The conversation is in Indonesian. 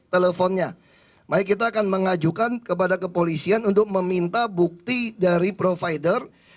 teleponnya mari kita akan mengajukan kepada kepolisian untuk meminta bukti dari provider